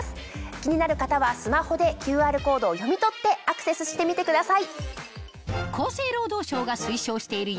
気になる方はスマホでＱＲコードを読み取ってアクセスしてみてください。